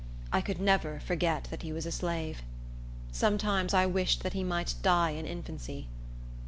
I could never forget that he was a slave. Sometimes I wished that he might die in infancy.